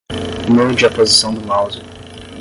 Mude a posição do mouse.